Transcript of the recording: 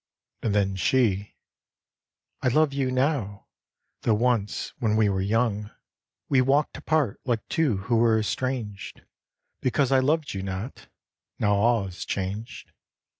And then she: " I love you now, tho' once when we were young 7a THE DEATH OF AILILL 73 We walked apart like two who were estranged Because I loved you not, now all is changed."